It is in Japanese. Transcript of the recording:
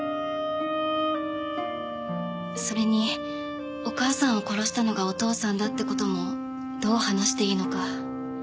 それにお母さんを殺したのがお父さんだって事もどう話していいのか。